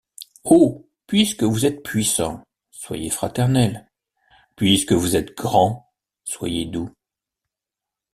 Oh! puisque vous êtes puissants, soyez fraternels ; puisque vous êtes grands, soyez doux.